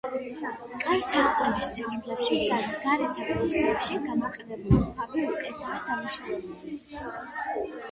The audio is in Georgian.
კარ-სარკმლების წირთხლებში და გარეთა კუთხეებში გამოყენებული ქვები უკეთაა დამუშავებული.